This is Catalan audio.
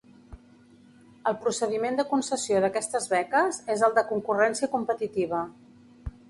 El procediment de concessió d'aquestes beques és el de concurrència competitiva.